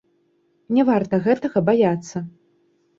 Не варта гэтага баяцца.